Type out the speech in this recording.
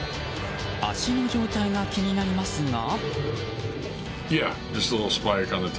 足の状態が気になりますが。